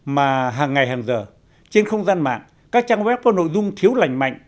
mà hàng ngày hàng giờ trên không gian mạng các trang web có nội dung thiếu lành mạnh